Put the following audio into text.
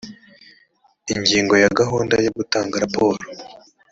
ingingo ya gahunda yo gutanga raporo